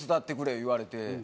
言われて。